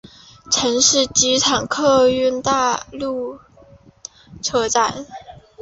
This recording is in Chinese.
城市机场客运大楼车站。